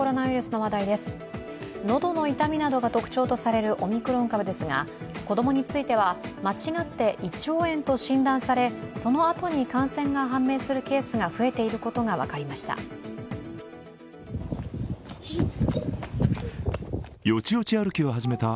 喉の痛みなどが特徴とされるオミクロン株ですが、子供については、間違って胃腸炎と診断され、そのあとに感染が判明するケースが増えていることが分かりました。